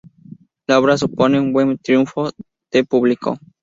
La obra supone un buen triunfo de público.